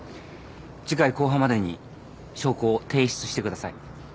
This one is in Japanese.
次回公判までに証拠を提出してください。